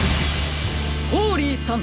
ホーリーさん！